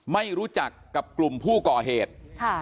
ไม่รู้จักกับกลุ่มผู้ก่อเหตุ